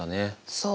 そう。